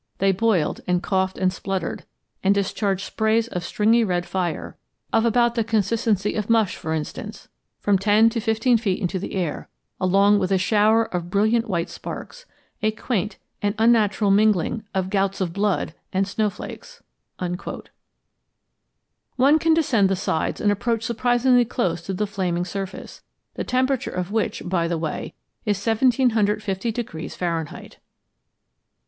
They boiled, and coughed, and spluttered, and discharged sprays of stringy red fire of about the consistency of mush, for instance from ten to fifteen feet into the air, along with a shower of brilliant white sparks a quaint and unnatural mingling of gouts of blood and snowflakes." One can descend the sides and approach surprisingly close to the flaming surface, the temperature of which, by the way, is 1750 degrees Fahrenheit.